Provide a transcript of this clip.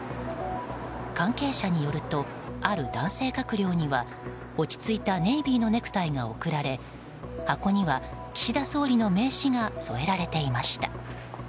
関係者によるとある男性閣僚には落ち着いたネイビーのネクタイが贈られ箱には、岸田総理の名刺が添えられていました。